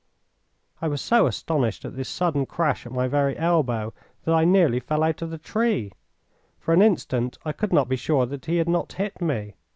I was so astonished at this sudden crash at my very elbow that I nearly fell out of the tree. For an instant I could not be sure that he had not hit me.